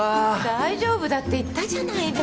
大丈夫だって言ったじゃないですか。